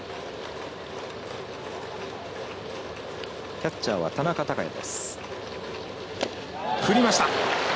キャッチャーは田中貴也です。